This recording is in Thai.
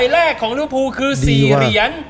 หอคิค